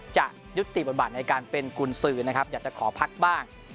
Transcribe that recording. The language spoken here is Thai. จะยุติบทบาทในการเป็นกุญสือนะครับอยากจะขอพักบ้าง